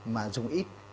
mà dùng ít